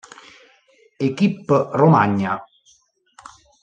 Équipe Romagna.